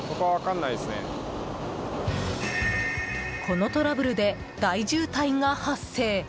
このトラブルで大渋滞が発生。